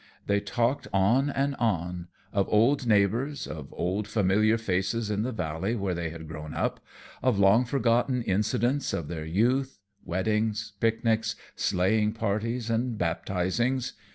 They talked on and on; of old neighbors, of old familiar faces in the valley where they had grown up, of long forgotten incidents of their youth weddings, picnics, sleighing parties and baptizings.